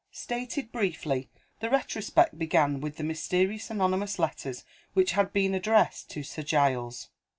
Stated briefly, the retrospect began with the mysterious anonymous letters which had been addressed to Sir Giles.